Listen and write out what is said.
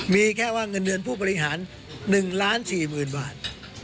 มีแค่ว่าเงินเดือนผู้บริหาร๑ล้าน๔๐๐๐บาท